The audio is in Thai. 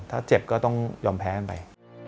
ถ้าเจ็บก็ต้องยอมแพ้กันไป